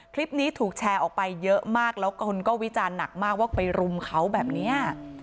คลิปนี้ถูกแชร์ออกไปเยอะมากแล้วคนก็วิจารณ์หนักมากว่าไปรุมเขาแบบนี้